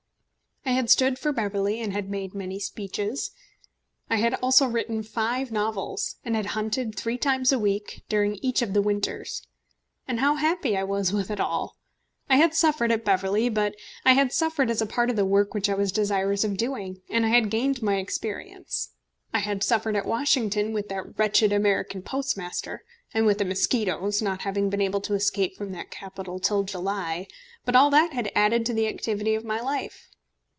I had stood for Beverley and had made many speeches. I had also written five novels, and had hunted three times a week during each of the winters. And how happy I was with it all! I had suffered at Beverley, but I had suffered as a part of the work which I was desirous of doing, and I had gained my experience. I had suffered at Washington with that wretched American Postmaster, and with the mosquitoes, not having been able to escape from that capital till July; but all that had added to the activity of my life.